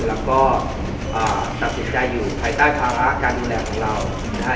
แล้วก็ตัดสินใจอยู่ภายใต้ภาระการดูแลของเรานะฮะ